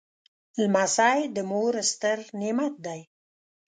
لمسی د مور ستر نعمت دی.